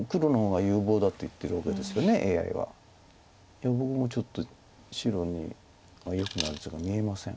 いや僕もちょっと白によくなる図が見えません。